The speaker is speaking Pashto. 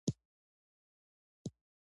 وروسته سرو او سپینو زرو د مسو ځای ونیو.